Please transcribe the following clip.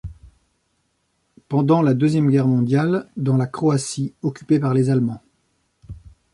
Pendant la Deuxième guerre mondiale, dans la Croatie occupée par les Allemands.